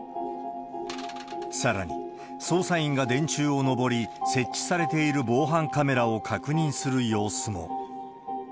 さらに、捜査員が電柱を上り、設置されている防犯カメラを確認する様子も。